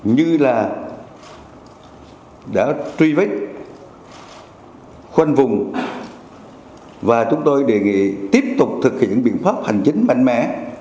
như là đã truy vết khoanh vùng và chúng tôi đề nghị tiếp tục thực hiện biện pháp hành chính mạnh mẽ